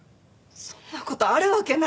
そんな事あるわけないでしょ！